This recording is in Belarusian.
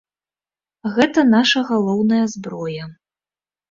Гэта наша галоўная зброя.